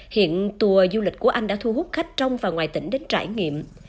hiện tour du lịch của anh đã thu hút khách trong và ngoài tỉnh đến trải nghiệm